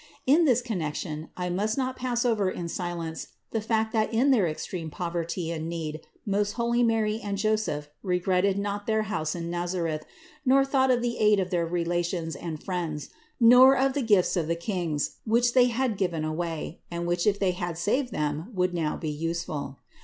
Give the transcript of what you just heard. In this connection I must not pass over in silence the fact that in their extreme poverty and need most holy Mary and Joseph regretted not their house in Nazareth, nor thought of the aid of their rela tions and friends, nor of the gifts of the kings, which they had given away and which, if they had saved them, would now be useful.